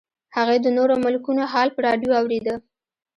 هغې د نورو ملکونو حال په راډیو اورېده